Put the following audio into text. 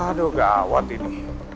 aduh gawat ini